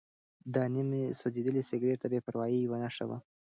دا نیم سوځېدلی سګرټ د بې پروایۍ یوه نښه وه.